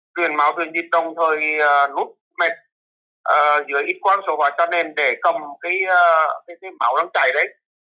truyền máu truyền dịch đồng thời nút mẹt dưới ít quan sổ hóa cho nên để cầm cái máu đang chảy đấy